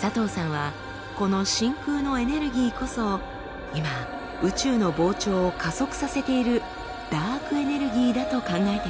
佐藤さんはこの真空のエネルギーこそ今宇宙の膨張を加速させているダークエネルギーだと考えています。